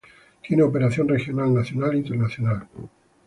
Tiene operación regional, nacional e internacional.